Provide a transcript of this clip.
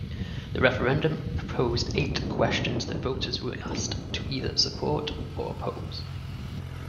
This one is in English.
The referendum proposed eight questions that voters were asked to either support or oppose.